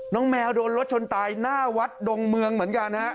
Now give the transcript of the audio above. แมวโดนรถชนตายหน้าวัดดงเมืองเหมือนกันฮะ